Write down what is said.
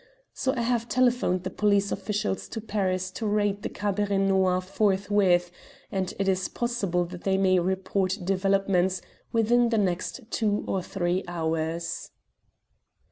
So I have telephoned the police officials in Paris to raid the Cabaret Noir forthwith, and it is possible that they may report developments within the next two or three hours."